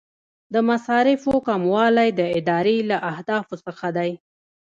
د مصارفو کموالی د ادارې له اهدافو څخه دی.